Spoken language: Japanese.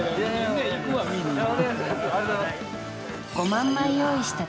５万枚用意した